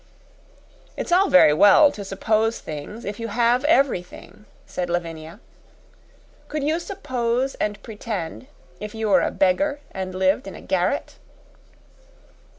"It's all very well to suppose things if you have everything," said Lavinia. "Could you suppose and pretend if you were a beggar and lived in a garret?"